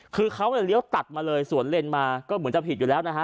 คือเขาเนี่ยเลี้ยวตัดมาเลยสวนเลนมาก็เหมือนจะผิดอยู่แล้วนะฮะ